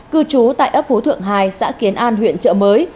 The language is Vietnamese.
cư trú tại ấp phú thượng hai xã kiến an huyện trợ mới